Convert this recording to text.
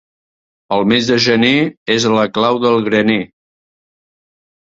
El mes de gener és la clau del graner.